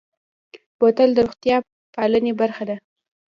بوتل د روغتیا پالنې برخه ده.